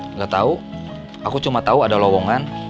nggak tahu aku cuma tahu ada lowongan